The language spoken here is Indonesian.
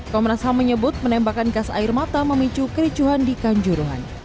komnas ham menyebut penembakan gas air mata memicu kericuhan di kanjuruhan